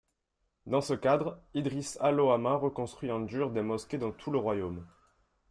Dans ce cadre, Idrīs Alaoma reconstruit en dur des mosquées dans tout le royaume.